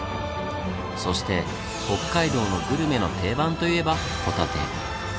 そして北海道のグルメの定番といえばホタテ。